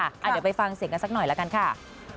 เดี๋ยวไปฟังเสียงกันสักหน่อยละกันค่ะ